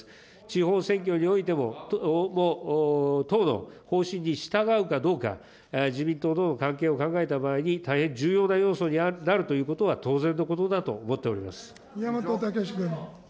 地方選挙においても、党の方針に従うかどうか、自民党との関係を考えた場合に、大変重要な要素になるということ宮本岳志君。